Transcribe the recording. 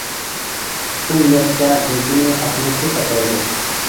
شۇ نىيەتتە بىر كۈنى، ئاتلىنىپتۇ سەپەرگە.